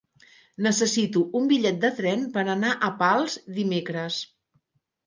Necessito un bitllet de tren per anar a Pals dimecres.